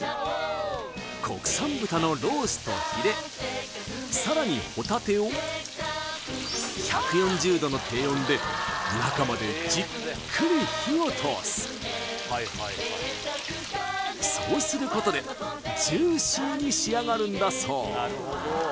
国産豚のロースとヒレさらにホタテを１４０度の低温で中までじっくり火を通すそうすることでジューシーに仕上がるんだそう